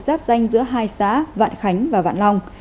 giáp danh giữa hai xã vạn khánh và vạn long